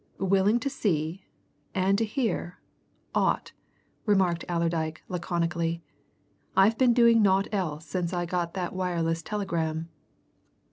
"Willing to see and to hear aught," remarked Allerdyke laconically. "I've been doing naught else since I got that wireless telegram."